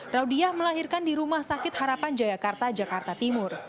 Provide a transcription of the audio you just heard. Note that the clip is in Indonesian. raudiah melahirkan di rumah sakit harapan jayakarta jakarta timur